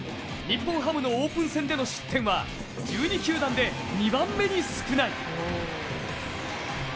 日本ハムでのオープン戦での失点は１２球団で２番目に少ない。